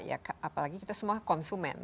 apalagi kita semua konsumen